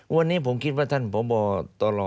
วันนี้ผมคิดว่าท่านพบตร